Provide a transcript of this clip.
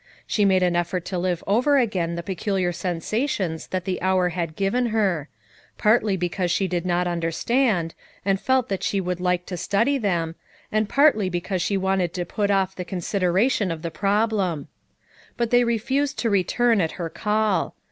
She made an effort to live 140 FOUR MOTHERS AT CHAUTAUQUA over again the peculiar sensations that the hour had given her; partly because she did not understand, and felt that she would like to study them, and partly because she wanted to put off the consideration of the problem. But they refused to return at her call.